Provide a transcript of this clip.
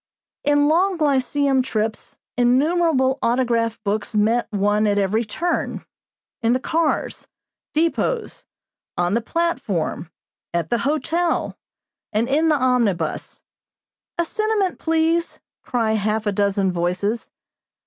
In long lyceum trips innumerable autograph books met one at every turn, in the cars, depots, on the platform, at the hotel and in the omnibus. "A sentiment, please," cry half a dozen voices.